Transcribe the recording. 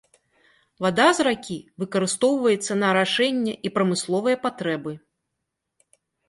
Вада з ракі выкарыстоўваецца на арашэнне і прамысловыя патрэбы.